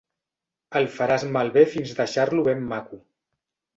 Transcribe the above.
El faràs malbé fins deixar-lo ben maco.